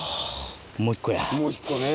もう１個ね。